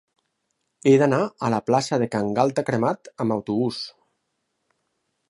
He d'anar a la plaça de Can Galta Cremat amb autobús.